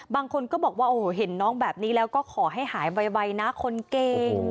บางคนก็บอกว่าโอ้โหเห็นน้องแบบนี้แล้วก็ขอให้หายไวนะคนเก่ง